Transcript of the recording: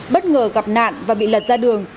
bất ngờ gặp nạn và bị lật ra đường